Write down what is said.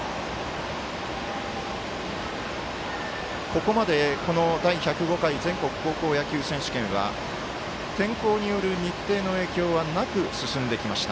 ここまで第１０５回全国高校野球選手権は天候による日程の影響はなく進んできました。